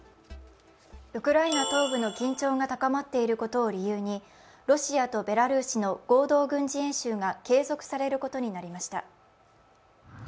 ウクライナ東部の緊張が高まっていることを理由にロシアとベラルーシの合同軍事演習が継続されることになりました。